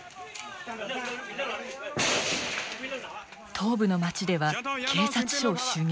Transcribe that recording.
東部の町では警察署を襲撃。